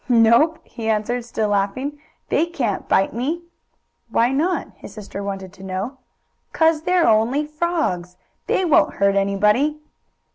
"Nope," he answered, still laughing, "they can't bite me!" "Why not?" his sister wanted to know. "'Cause they're only frogs. They won't hurt anybody!"